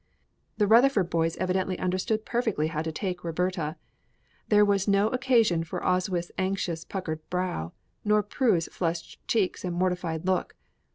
The Rutherford boys evidently understood perfectly how to take Roberta; there was no occasion for Oswyth's anxiously puckered brow, nor Prue's flushed cheeks and mortified look.